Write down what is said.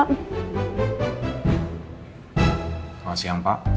selamat siang pak